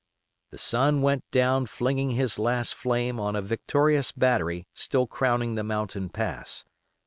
The sun went down flinging his last flame on a victorious battery still crowning the mountain pass.